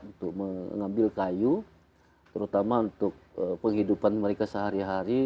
untuk mengambil kayu terutama untuk penghidupan mereka sehari hari